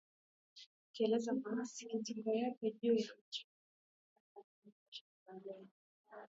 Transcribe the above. akieleza masikitiko yake juu ya machafuko yanayo endelee nchini bahrain